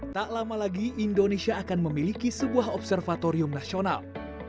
tak lama lagi indonesia akan memiliki sebuah observatorium nasional